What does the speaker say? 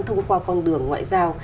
thông qua con đường ngoại giao